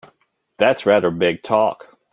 That's rather big talk!